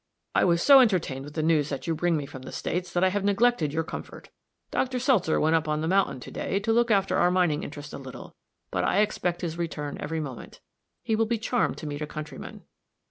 I was so entertained with the news that you bring me from the States that I have neglected your comfort. Dr. Seltzer went up on the mountain, to day, to look after our mining interest a little, but I expect his return every moment. He will be charmed to meet a countryman."